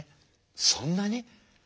そんなに？